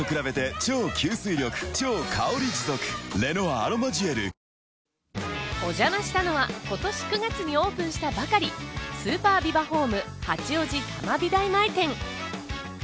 ホームセンターを利用し、お邪魔したのは今年９月にオープンしたばかり、スーパービバホーム八王子多摩美大前店。